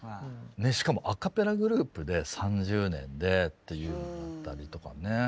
しかもアカペラグループで３０年でっていったりとかね。